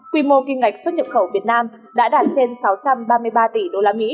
quy mô kim ngạch xuất nhập khẩu việt nam đã đạt trên sáu trăm ba mươi ba tỷ usd